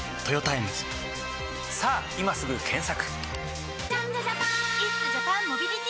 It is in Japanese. さぁ今すぐ検索！